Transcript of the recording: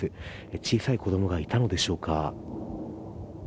小さい子供がいたのでしょうか。